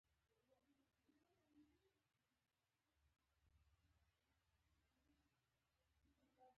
ټول بالښت مې په اوښکو لوند شو.